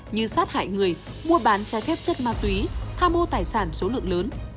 như sát hại người mua bán trái phép chất ma túy tha mua tài sản số lượng lớn